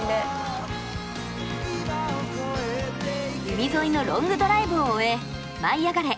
海沿いのロングドライブを終え「舞いあがれ！」